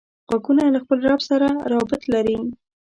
غوږونه له خپل رب سره رابط لري